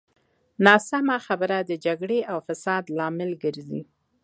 ناسمه خبره د جګړې او فساد لامل ګرځي.